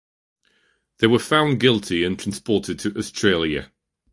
They were found guilty and transported to Australia.